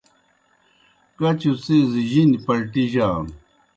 کچوْ څِیز جِنیْ پلٹِجانوْ۔